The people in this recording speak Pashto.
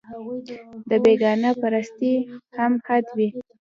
د بېګانه پرستۍ هم حد وي